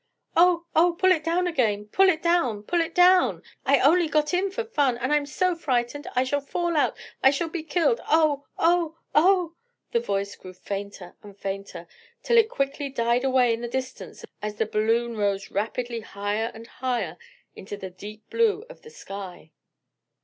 "Oh! oh! pull it down again! pull it down! pull it down! I only got in for fun, and I'm so frightened! I shall fall out! I shall be killed! oh! oh! oh!" The voice grew fainter and fainter, till it quickly died away in the distance as the balloon rose rapidly higher and higher into the deep blue of the sky.